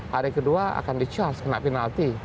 hari kedua akan di charge kena penalti